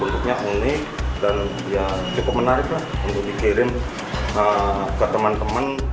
cukup menarik untuk dikirim ke teman teman